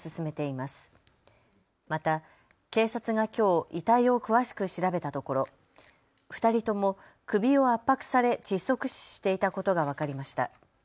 また警察がきょう、遺体を詳しく調べたところ２人とも首を圧迫され窒息死していたことが分かりました。